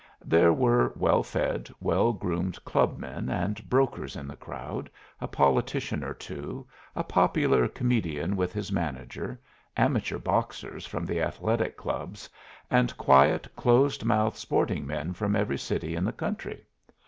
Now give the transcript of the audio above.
There were well fed, well groomed club men and brokers in the crowd, a politician or two, a popular comedian with his manager, amateur boxers from the athletic clubs, and quiet, close mouthed sporting men from every city in the country.